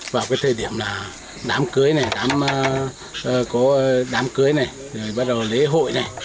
vào cái thời điểm là đám cưới này đám có đám cưới này rồi bắt đầu lễ hội này